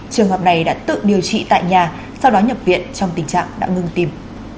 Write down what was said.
trường hợp này đã tự điều trị tại nhà sau đó nhập viện trong tình trạng đã ngưng tim